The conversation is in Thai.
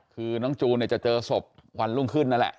คือน้องจูนเนี่ยจะเจอศพวันรุ่งขึ้นนั่นแหละ